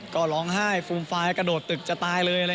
ก็จะไม่ถึง๒๕ปี